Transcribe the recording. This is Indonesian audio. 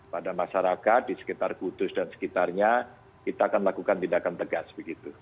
pada masyarakat di sekitar kudus dan sekitarnya kita akan lakukan tindakan tegas begitu